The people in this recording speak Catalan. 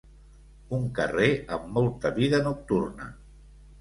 Un carrer amb molta vida nocturna.